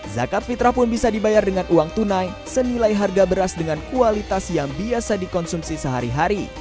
zakat fitrah pun bisa dibayar dengan uang tunai senilai harga beras dengan kualitas yang biasa dikonsumsi sehari hari